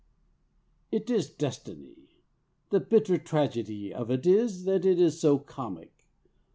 "It is destiny. The bitter tragedy of it is that it is so comic.